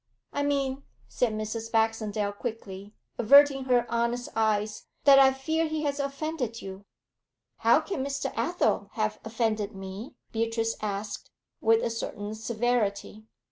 'I mean,' said Mrs. Baxendale quickly, averting her honest eyes, 'that I fear he has offended you.' 'How can Mr. Athel have offended me?' Beatrice asked, with a certain severity.